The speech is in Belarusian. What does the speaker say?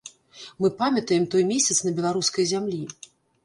Мы памятаем той месяц на беларускай зямлі.